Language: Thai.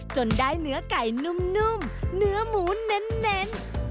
จนได้เนื้อไก่นุ่มเนื้อหมูเน้น